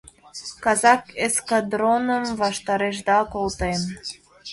Казак эскадроным ваштарешда колтем!